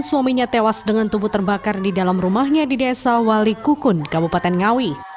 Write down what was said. suaminya tewas dengan tubuh terbakar di dalam rumahnya di desa wali kukun kabupaten ngawi